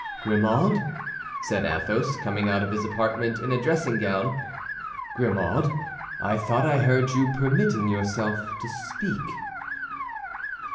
"Grimaud," said Athos, coming out of his apartment in a dressing gown, "Grimaud, I thought I heard you permitting yourself to speak?"